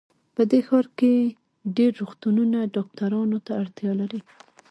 په دې ښار کې ډېر روغتونونه ډاکټرانو ته اړتیا لري